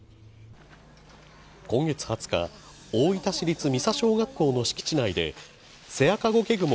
今月２０日大分市立三佐小学校の敷地内でセアカゴケグモ